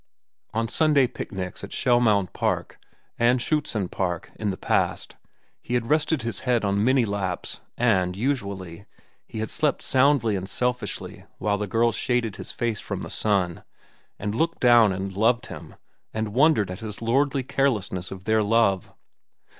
On Sunday picnics at Shellmound Park and Schuetzen Park, in the past, he had rested his head on many laps, and, usually, he had slept soundly and selfishly while the girls shaded his face from the sun and looked down and loved him and wondered at his lordly carelessness of their love.